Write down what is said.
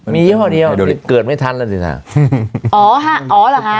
มียี่ห้อดีอ่ะเกิดไม่ทันอะไรสิต่างอ๋ออ่ะเหรอหะ